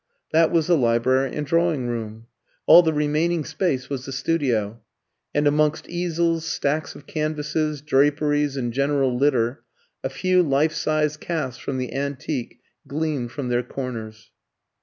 That was the library and drawing room. All the remaining space was the studio; and amongst easels, stacks of canvases, draperies, and general litter, a few life size casts from the antique gleamed from their corners.